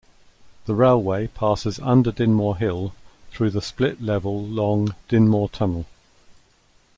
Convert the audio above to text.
The railway passes under Dinmore Hill through the split-level long Dinmore Tunnel.